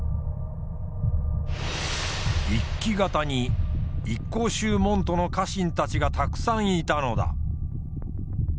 一揆方に一向宗門徒の家臣たちがたくさんいたのだ。